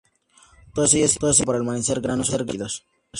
Todas ellas sirvieron para almacenar granos o líquidos.